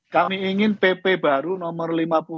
kami ingin pp baru nomor lima puluh